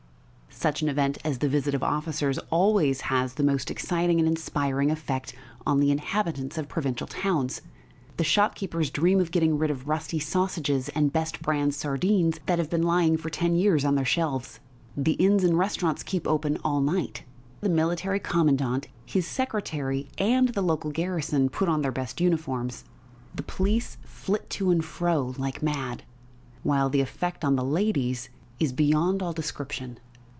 Such an event as the visit of officers always has the most exciting and inspiring effect on the inhabitants of provincial towns. The shopkeepers dream of getting rid of the rusty sausages and "best brand" sardines that have been lying for ten years on their shelves; the inns and restaurants keep open all night; the Military Commandant, his secretary, and the local garrison put on their best uniforms; the police flit to and fro like mad, while the effect on the ladies is beyond all description.